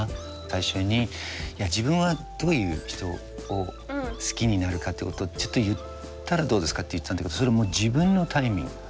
最初にいや自分はどういう人を好きになるかっていうことをちょっと言ったらどうですかって言ったんだけどそれも自分のタイミング。